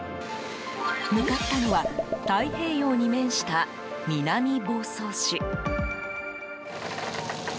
向かったのは太平洋に面した南房総市。